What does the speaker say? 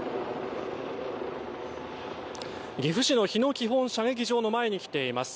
岐阜市の日野基本射撃場の前に来ています。